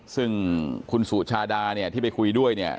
ซึ่งคุณสุชาดาเนี่ยที่ไปคุยด้วยเนี่ย